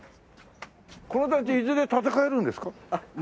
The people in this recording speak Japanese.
この団地いずれ建て替えるんですか？